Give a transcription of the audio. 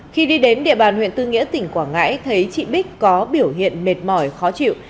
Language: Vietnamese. khi đi đến địa bàn huyện tư nghĩa tỉnh quảng ngãi thấy chị bích có biểu hiện mệt mỏi khó chịu